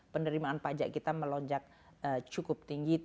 penerimaan pajak kita melonjak cukup tinggi